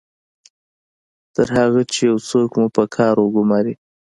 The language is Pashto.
تر هغه چې یو څوک مو په کار وګماري